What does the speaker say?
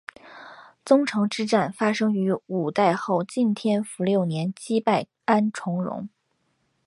宗城之战发生于五代后晋天福六年击败安重荣。